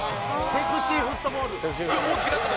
セクシーフットボール！